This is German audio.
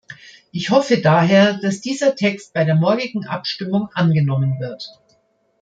Ich hoffe daher, dass dieser Text bei der morgigen Abstimmung angenommen wird.